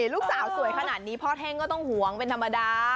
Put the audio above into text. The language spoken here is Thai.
ลูกสาวสวยขนาดนี้พ่อเท่งก็ต้องหวงเป็นธรรมดา